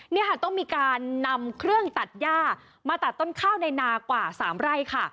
นี่ค่ะต้องมีการนำเครื่องตัดย่ามาตัดต้นข้าวในนากว่า๓ไร่ค่ะ